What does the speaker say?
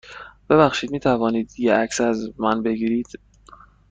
ببخشید، می توانید یه عکس از من بگیرید؟